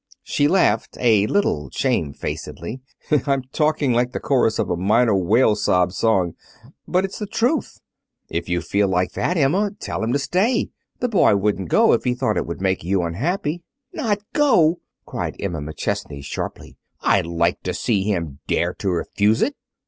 She laughed a little shamefacedly. "I'm talking like the chorus of a minor wail sob song, but it's the truth." "If you feel like that, Emma, tell him to stay. The boy wouldn't go if he thought it would make you unhappy." "Not go!" cried Emma McChesney sharply. "I'd like to see him dare to refuse it!"